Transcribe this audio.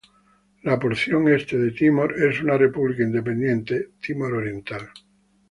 La porción este de Timor es una república independiente, Timor Oriental.